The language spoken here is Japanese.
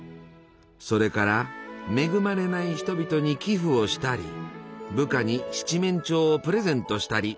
それから恵まれない人々に寄付をしたり部下に七面鳥をプレゼントしたり。